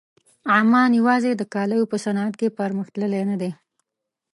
عمان یوازې د کالیو په صنعت کې پرمخ تللی نه دی.